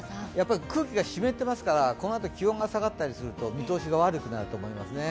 空気が湿っていますからこのあと気温が下がったりしますと見通しが悪くなると思いますね。